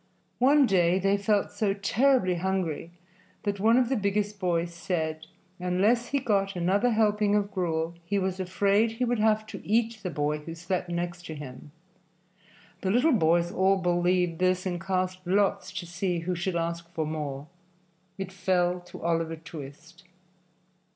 One day they felt so terribly hungry that one of the biggest boys said unless he got another helping of gruel he was afraid he would have to eat the boy who slept next him. The little boys all believed this and cast lots to see who should ask for more. It fell to Oliver Twist.